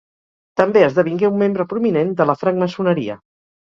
També esdevingué un membre prominent de la francmaçoneria.